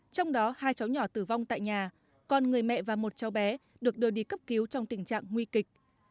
trong đó hai cháu nhỏ tử vong tại nhà còn người mẹ và một cháu bé được đưa đi cấp cứu trong tình trạng nguy kịch